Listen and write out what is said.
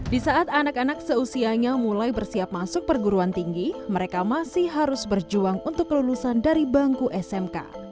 di saat anak anak seusianya mulai bersiap masuk perguruan tinggi mereka masih harus berjuang untuk kelulusan dari bangku smk